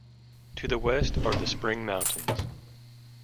To the west are the Spring Mountains.